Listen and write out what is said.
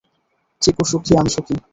চিকু সুখী, আমি সুখী।